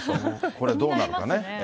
これどうなるか。